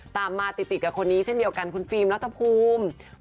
ตามมาติดกับคนนี้เช่นเดียวกันคุณฟิล์มรัฐภูมิ